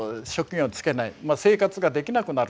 生活ができなくなる。